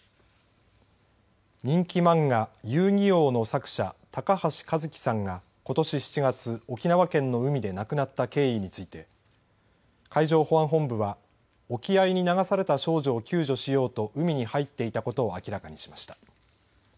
人気漫画、遊☆戯☆王の作者高橋和希さんがことし７月、沖縄県の海で亡くなった経緯について海上保安本部は沖合に流された少女を救助しようと海に入っていたことを明らかにしました。